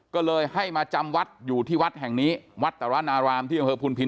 ก็เลยให้มาจำวัดอยู่ที่วัดแห่งนี้วัดตรนารามที่อำเภอพุนพิน